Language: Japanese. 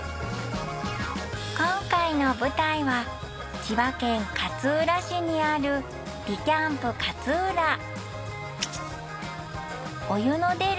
今回の舞台は千葉県勝浦市にある孱劭釘達腺唯弌勝浦」